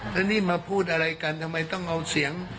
แล้วนี่มาพูดอะไรกันทำไมต้องเอาเสียง